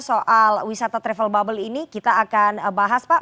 soal wisata travel bubble ini kita akan bahas pak